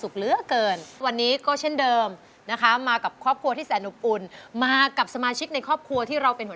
พร้อมได้ให้ร้าน